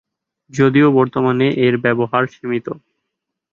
যদিও বর্তমানে এর ব্যবহার সীমিত।